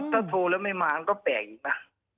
ถ้าโทรแล้วไม่มามันก็แปลกอีกนะ